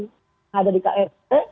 yang ada di ksp